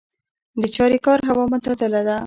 د چاریکار هوا معتدله ده